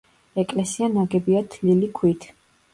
ეკლესია ნაგებია თლილი ქვით.